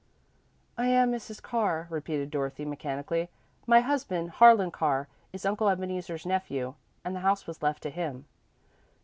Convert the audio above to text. "I am Mrs. Carr," repeated Dorothy, mechanically. "My husband, Harlan Carr, is Uncle Ebeneezer's nephew, and the house was left to him."